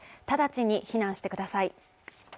直ちに避難してください。